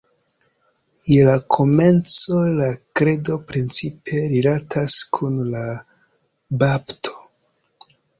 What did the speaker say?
Je la komenco la Kredo precipe rilatas kun la bapto.